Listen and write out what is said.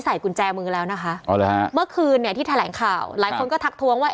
กุญแจมือแล้วนะคะอ๋อเหรอฮะเมื่อคืนเนี่ยที่แถลงข่าวหลายคนก็ทักทวงว่า